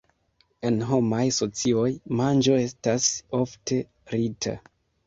En homaj socioj, manĝo estas ofte rita.